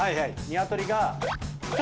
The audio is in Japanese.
ニワトリが。